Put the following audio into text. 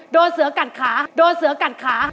โดนเสือกัดขาโดนเสือกัดขา